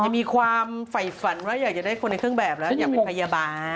มีความไฝฝันว่าอยากจะได้คนในเครื่องแบบแล้วอยากเป็นพยาบาล